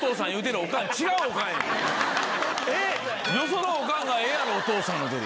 よそのおかんが「ええやろお父さん」って。